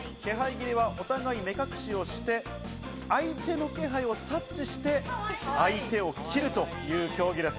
斬りはお互い目隠しをして、相手の気配を察知して相手を斬る競技です。